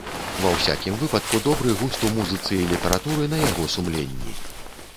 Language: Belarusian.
Ва ўсякім выпадку добры густ у музыцы і літаратуры на яго сумленні.